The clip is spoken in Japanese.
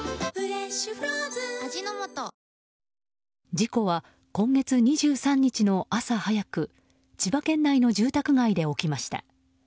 事故は今月２３日の朝早く千葉県内の住宅街で起きました。